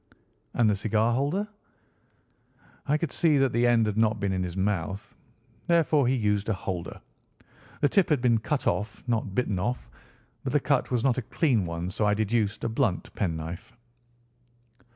"And the cigar holder?" "I could see that the end had not been in his mouth. Therefore he used a holder. The tip had been cut off, not bitten off, but the cut was not a clean one, so I deduced a blunt pen knife."